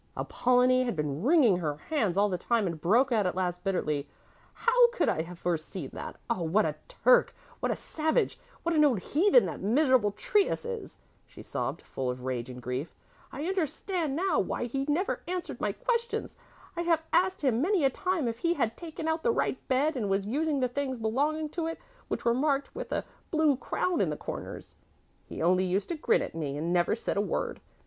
Apollonie had been wringing her hands all the time and broke out at last bitterly, "How could I have foreseen that? Oh, what a Turk, what a savage, what an old heathen that miserable Trius is," she sobbed, full of rage and grief. "I understand now why he never answered my questions. I have asked him many a time if he had taken out the right bed and was using the things belonging to it which were marked with a blue crown in the corners. He only used to grin at me and never said a word.